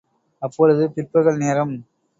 அப்பொழுது பிற்பகல் நேரம்.